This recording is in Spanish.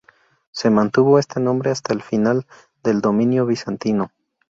Se mantuvo este nombre hasta el final del dominio bizantino.